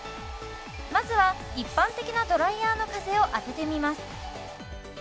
まずは一般的なドライヤーの風を当ててみます